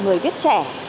người viết trẻ